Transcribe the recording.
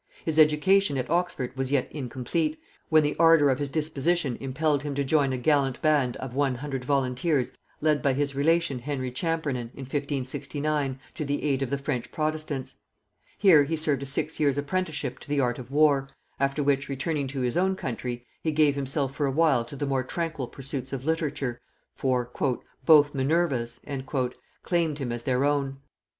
His education at Oxford was yet incomplete, when the ardor of his disposition impelled him to join a gallant band of one hundred volunteers led by his relation Henry Champernon, in 1569, to the aid of the French protestants. Here he served a six years apprenticeship to the art of war, after which, returning to his own country, he gave himself for a while to the more tranquil pursuits of literature; for "both Minervas" claimed him as their own.